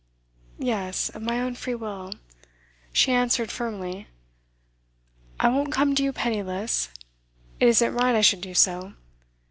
'Yes, of my own free will,' she answered firmly. 'I won't come to you penniless. It isn't right I should do so.